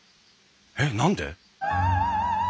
えっ何で？